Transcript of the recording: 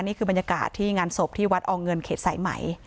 นี่คือบรรยากาศที่งานศพที่วัดอเงินเขตสายไหม